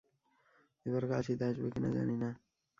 এবার কাশীতে আসবে কিনা জানি না।